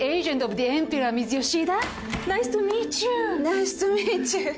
ナイストゥミーチュー。